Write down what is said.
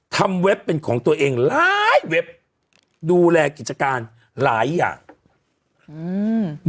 เว็บเป็นของตัวเองหลายเว็บดูแลกิจการหลายอย่างอืม